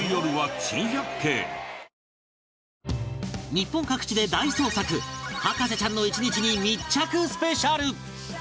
日本各地で大捜索博士ちゃんの一日に密着スペシャル